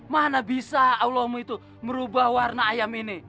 mana bisa aulamu itu merubah warna ayam ini